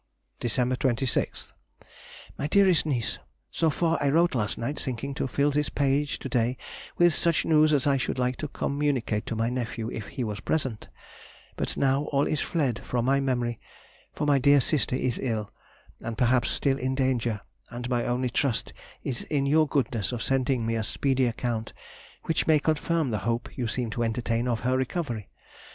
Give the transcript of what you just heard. [Sidenote: 1832. Last Illness of Lady Herschel.] December 26th. MY DEAREST NIECE,— So far I wrote last night, thinking to fill this page to day, with such news as I should like to communicate to my nephew if he was present; but now all is fled from my memory, for my dear sister is ill, and perhaps still in danger, and my only trust is in your goodness of sending me a speedy account, which may confirm the hope you seem to entertain of her recovery.